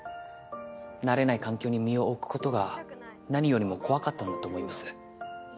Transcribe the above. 慣れない環境に身を置く事が何よりも怖かったんだと思います。